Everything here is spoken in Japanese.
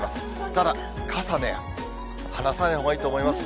ただ、傘ね、離さないほうがいいと思います。